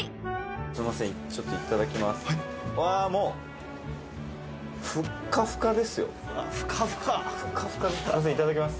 すみません、ちょっといただきます。